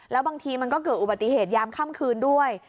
แล้วบางทีมันก็เกิดอุบัติเหตุยามค่ำคืนด้วย